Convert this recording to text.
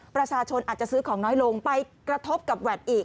ประชาชนอาจจะซื้อของน้อยลงไปกระทบกับแวดอีก